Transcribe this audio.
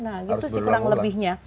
nah gitu sih kurang lebihnya